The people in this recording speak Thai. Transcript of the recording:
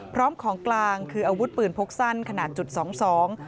พร้อมของกลางคืออาวุธปืนพกสั้นขนาดจุดสองสอง